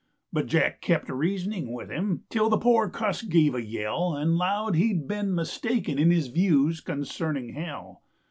But Jack kept reasoning with him Till the poor cuss gave a yell And lowed he'd been mistaken In his views concerning hell.